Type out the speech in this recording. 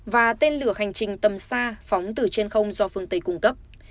và tên lửa hành trình tầm xa phóng từ trên không do phương tây cung cấp